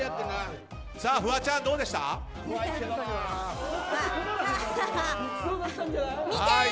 フワちゃん、どうでした？